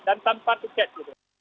dan tanpa tiket gitu